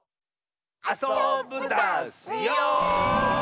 あそぶダスよ！